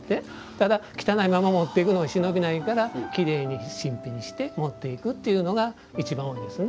ただ汚いまま持っていくのは忍びないからきれいに新品にして持っていくというのがいちばん多いですね。